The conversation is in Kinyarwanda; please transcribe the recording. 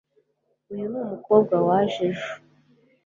Uyu ni umukobwa waje ejo